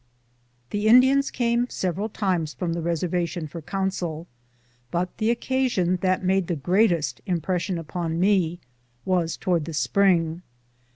The Indians came several times from the reservations for counsel, but the occasion that made the greatest im pression upon me was towards the spring.